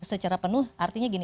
dan secara penuh artinya gini